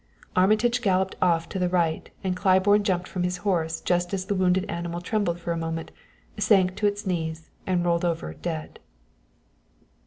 Armitage galloped off to the right and Claiborne jumped from his horse just as the wounded animal trembled for a moment, sank to its knees and rolled over dead.